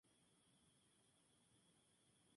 La iglesia incluye tres altares barrocos.